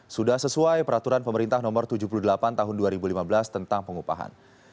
sudah sesuai peraturan pemerintah nomor tujuh puluh delapan tahun dua ribu lima belas tentang pengupahan